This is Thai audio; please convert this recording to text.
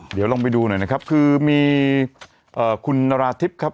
เดี๋ยวลองไปดูหน่อยนะครับคือมีคุณนาราธิบครับ